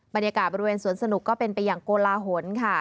บรรยากาศบริเวณสวนสนุกก็เป็นไปอย่างโกลาหลค่ะ